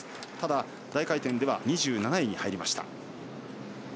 ただ、大回転では２７位に入りました。